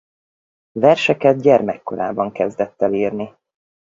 Verseket gyermekkorában kezdett el írni.